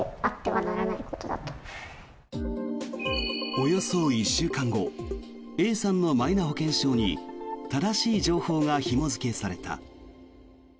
およそ１週間後Ａさんのマイナ保険証に正しい情報がひも付けされた。